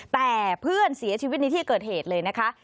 แต่เพื่อนเสียชีวิตในที่เกิดเหตุเลยนะคะ